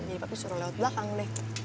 jadi papi suruh lewat belakang deh